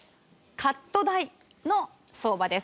カット代の相場です。